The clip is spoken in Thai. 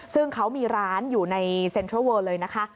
ซึ่งเขามีร้านอยู่ในเซ็นทรัลเวอร์เลยนะคะ